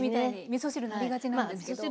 みそ汁なりがちなんですけど。